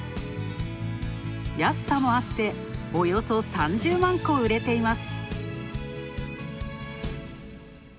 安さもあって、およそ３０万個売れています。